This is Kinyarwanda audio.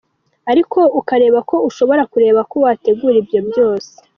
Ariko ukareba ko ushobora kureba ko wategura ibyo byose.